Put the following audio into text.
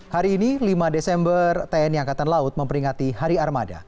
hari ini lima desember tni angkatan laut memperingati hari armada